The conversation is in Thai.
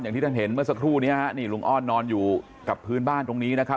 อย่างที่ท่านเห็นเมื่อสักครู่นี้ฮะนี่ลุงอ้อนนอนอยู่กับพื้นบ้านตรงนี้นะครับ